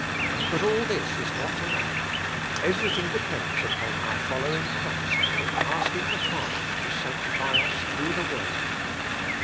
But all this is not enough; everything depends upon our following Christ in asking the Father to sanctify us through the Word.